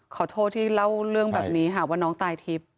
ขอโทษที่เล่าเรื่องแบบนี้ค่ะว่าน้องตายทิพย์